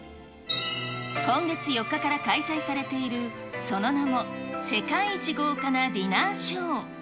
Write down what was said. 今月４日から開催されているその名も、世界一豪華なディナーショー。